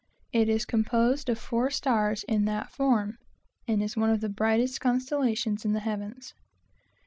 The cross is composed of four stars in that form, and is said to be the brightest constellation in the heavens.